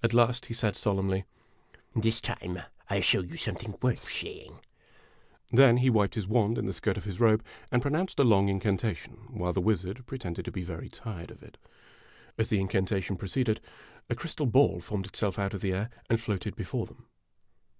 At last he said, solemnly: "This time I '11 show you something worth seeing !" Then he wiped his wand in the skirt of his robe, and pro nounced a long incantation, while the wizard pretended to be very tired of it. As the incantation proceeded, a crystal ball formed it self out of the air and floated before them.